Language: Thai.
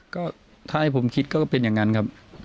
ก็ถ้าให้ผมคิดก็เป็นอย่างนั้นครับ